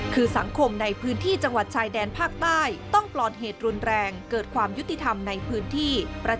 คือสังคมในพื้นที่จังหวัดชายแดนภาคใต้ต้องปลอดเหตุรุนแรงเกิดความยุติธรรมในพื้นที่